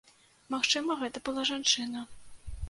Магчыма, гэта была жанчына.